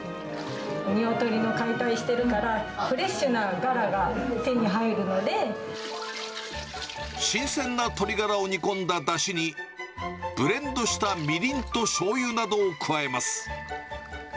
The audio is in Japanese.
ニワトリを解体してるから、新鮮な鶏ガラを煮込んだだしに、ブレンドしたみりんとしょうゆなどを加えます。